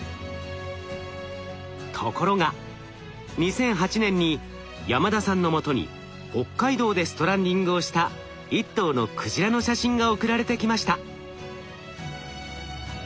ところが２００８年に山田さんのもとに北海道でストランディングをした一頭のクジラの写真が送られてきました。